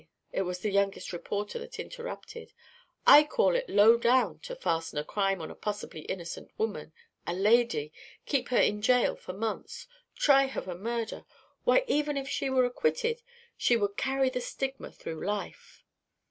It was the youngest reporter that interrupted. "I call it lowdown to fasten a crime on a possibly innocent woman a lady keep her in jail for months; try her for murder! Why, even if she were acquitted, she would carry the stigma through life."